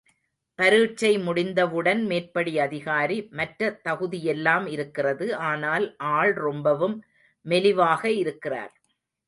பரீட்சை முடிந்தவுடன் மேற்படி அதிகாரி, மற்ற தகுதியெல்லாம் இருக்கிறது ஆனால் ஆள் ரொம்பவும் மெலிவாக இருக்கிறார்.